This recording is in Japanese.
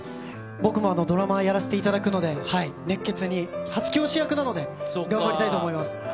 僕もドラマやらせていただくので、熱血に、初教師役なので、頑張りたいと思います。